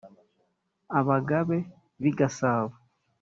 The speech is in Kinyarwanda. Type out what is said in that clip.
Abagabe b'i Gasabo,